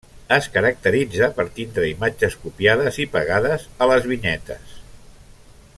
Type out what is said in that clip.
Es caracteritza per tindre imatges copiades i pegades a les vinyetes.